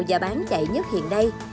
và bán chạy nhất hiện đây